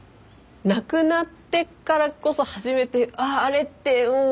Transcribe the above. なくなってからこそ初めてあっあれってうん